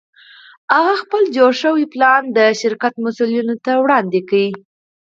هغه خپل جوړ شوی پلان د شرکت مسوولینو ته وړاندې کړ